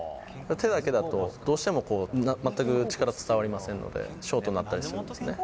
手だけだと、どうしても全く力伝わりませんので、ショートになったりするんですね。